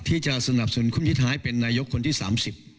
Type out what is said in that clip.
ที่จะสนับสนคุ้มที่ท้ายเป็นนายกคนที่๓๐